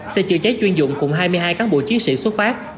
xe chữa cháy chuyên dụng cùng hai mươi hai cán bộ chiến sĩ xuất phát